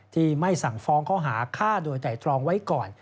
ที่ไม่สั่งฟ้องข้อหาฆ่าโดยไตรตรองไว้ก่อน